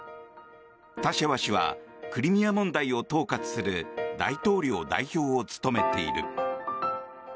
タシェワ氏はクリミア問題を統括する大統領代表を務めている。